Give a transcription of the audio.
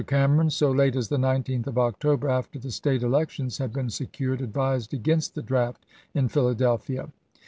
Cameron, so late as the 19th of October, after the State elec tions had been secured, advised against the draft in Philadelphia.